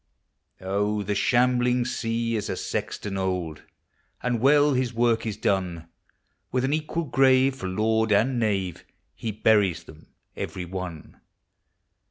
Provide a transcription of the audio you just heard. Oh, the shambling sea is a sexton old, And well his work is done. With an equal grave for lord and knave, lie buries them every one.